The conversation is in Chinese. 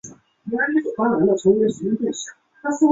生于墨西哥特拉斯卡拉州特拉斯卡拉市。